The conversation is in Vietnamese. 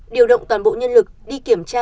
điều động toàn bộ nhân lực đi kiểm tra